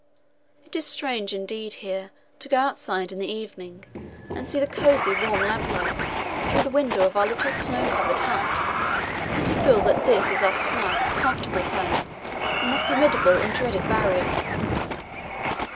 "It is strange indeed here to go outside in the evening and see the cosy, warm lamp light through the window of our little snow covered hut, and to feel that this is our snug, comfortable home on the formidable and dreaded Barrier.